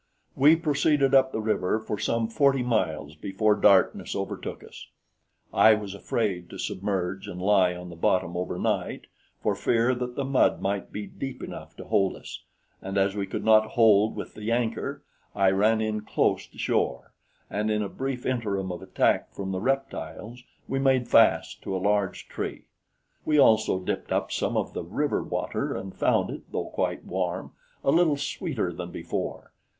We proceeded up the river for some forty miles before darkness overtook us. I was afraid to submerge and lie on the bottom overnight for fear that the mud might be deep enough to hold us, and as we could not hold with the anchor, I ran in close to shore, and in a brief interim of attack from the reptiles we made fast to a large tree. We also dipped up some of the river water and found it, though quite warm, a little sweeter than before.